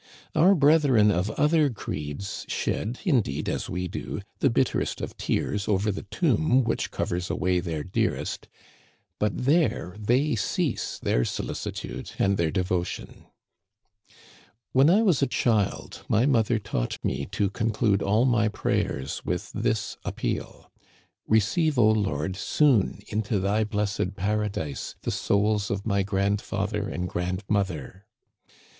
Our brethren of other creeds shed, indeed, as we do, thé bitterest of tears over the tomb which covers away their dearest, but there they cease their solicitude and their devotion. When I was a child my mother taught me to con clude all my prayers with this appeal :" Receive, O Lord, soon into thy blessed paradise the souls of my grandfather and grandmother."